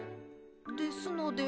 ですので。